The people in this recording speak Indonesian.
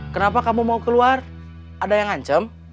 kenapa kamu mau keluar ada yang ngancam